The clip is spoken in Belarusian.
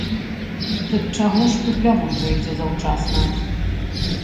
Дык чаго ж вы плявузгаеце заўчасна?